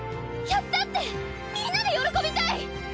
「やった！」ってみんなで喜びたい！